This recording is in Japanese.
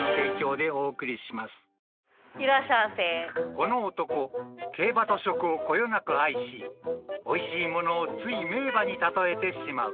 ［この男競馬と食をこよなく愛しおいしいものをつい名馬に例えてしまう］